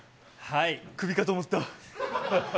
クビかと思った。